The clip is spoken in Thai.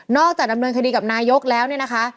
จากดำเนินคดีกับนายกแล้วเนี่ยนะคะ